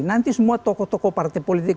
nanti semua tokoh tokoh partai politik